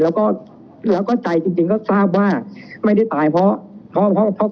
และก็ใจจริงก็ทราบว่าไม่ได้ตายเพราะ